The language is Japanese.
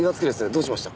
どうしました？